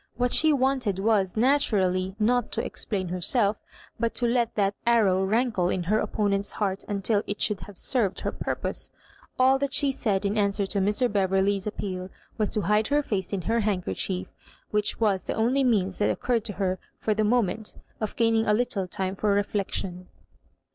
What she wanted was, natural!]^, not to explain herself, %ut to let that arrow rankle in her opponent's heart until it should have served her purpose. All that she • said in answer to Mr. Beverley's appeal was to bide her face in her handkerchief whidi was the only means that occurred to her for the moment of gaining a little time for reflection.